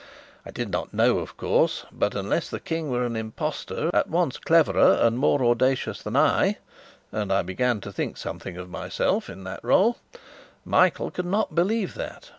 I did not know, of course; but, unless the King were an impostor, at once cleverer and more audacious than I (and I began to think something of myself in that role), Michael could not believe that.